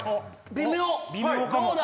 微妙かも。